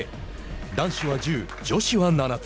男子は１０女子は７つ。